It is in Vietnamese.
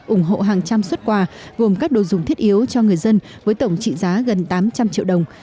ủng hộ hàng trăm xuất quà gồm các đồ dùng thiết yếu cho người dân với tổng trị giá gần tám trăm linh triệu đồng